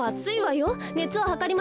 ねつをはかりましょう。